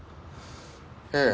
ええ。